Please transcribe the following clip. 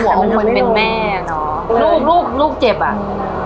หัวของคนเป็นแม่เนอะลูกลูกลูกเจ็บอ่ะไม่ได้